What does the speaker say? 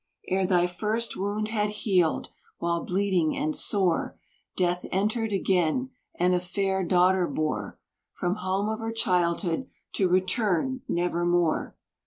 Ere thy first wound had healed, while bleeding and sore, Death entered again, and a fair daughter bore From home of her childhood, to return never more.